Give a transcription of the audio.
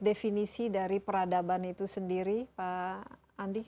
definisi dari peradaban itu sendiri pak andi